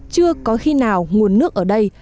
chưa có khi nào nguồn nước ở đây